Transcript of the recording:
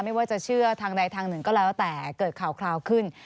ไม่ว่าจะเชื่อทางใดทางหนึ่งก็แล้วแต่เกิดข่าวขึ้น